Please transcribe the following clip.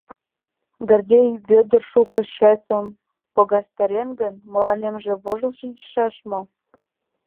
Гордей Вӧдыр шуко чесым погастарен гын, мыланем вожыл шинчаш мо?